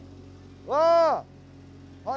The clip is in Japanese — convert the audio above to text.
わあ！